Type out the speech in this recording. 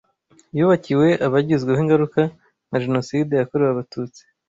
yubakiwe abagizweho ingaruka na Jenoside yakorewe Abatutsi